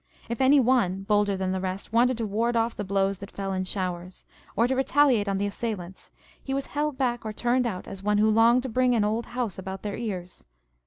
If any one, bolder than the rest, wanted to ward off the blows that fell in showers, or to retaliate on the assailants, he was held back or turned out as one who longed to bring an old house about their ears.